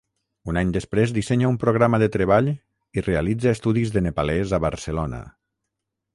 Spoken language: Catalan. Un any després dissenya un programa de treball i realitza estudis de nepalès a Barcelona.